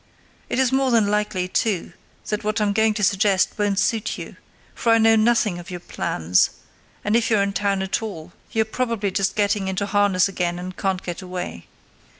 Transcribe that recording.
It is more than likely, too, that what I'm going to suggest won't suit you, for I know nothing of your plans, and if you're in town at all you're probably just getting into harness again and can't get away.